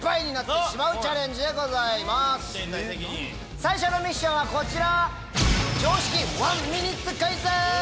最初のミッションはこちら！